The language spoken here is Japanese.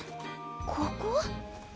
ここ？